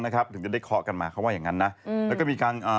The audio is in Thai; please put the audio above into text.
แข่งกันเคาะเนี่ย๖๓ครั้ง